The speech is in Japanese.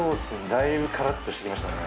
だいぶカラッとしてきましたね。